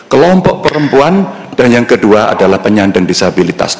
kelompok perempuan dan yang kedua adalah penyandang disabilitas